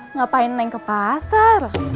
ngapain naik ke pasar